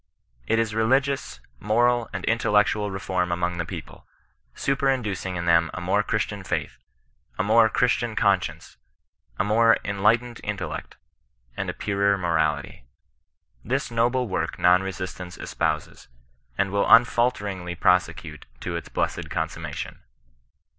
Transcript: It is religious, moral, and intellectual reform among the people, superinducing in them a more Christian faith, a more Christian conscience, a more en lightened intellect, and a purer morality. This noble work non resistance espouses, and will unfalteringly prosecute to its blessed consummation.